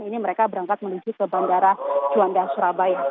ini mereka berangkat menuju ke bandara juanda surabaya